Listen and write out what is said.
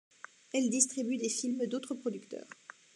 Elle distribue des films d'autres producteurs.